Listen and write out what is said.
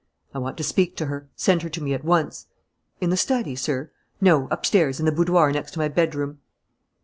"I want to speak to her. Send her to me. At once." "In the study, sir?" "No, upstairs, in the boudoir next to my bedroom."